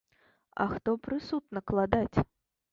А хто прысуд накладаць?